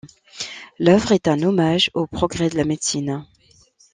L'œuvre est un hommage aux progrès de la médecine.